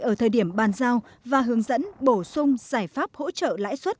ở thời điểm bàn giao và hướng dẫn bổ sung giải pháp hỗ trợ lãi suất